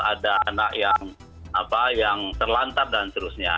ada anak yang terlantar dan seterusnya